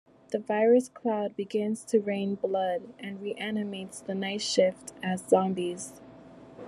The virus cloud begins to rain blood, and reanimates the Night Shift as zombies.